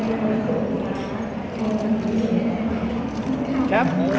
ขอบคุณครับ